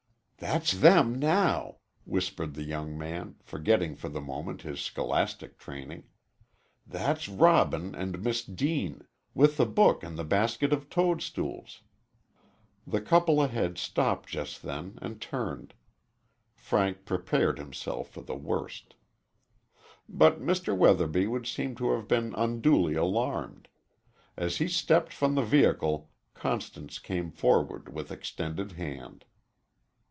"That's them now," whispered the young man, forgetting for the moment his scholastic training. "That's Robin and Miss Deane, with the book and the basket of toadstools." The couple ahead stopped just then and turned. Frank prepared himself for the worst. But Mr. Weatherby would seem to have been unduly alarmed. As he stepped from the vehicle Constance came forward with extended hand.